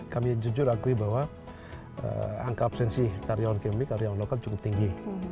kami jujur akui bahwa angka absensi karyawan kami karyawan lokal cukup tinggi